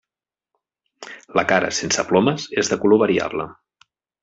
La cara, sense plomes, és de color variable.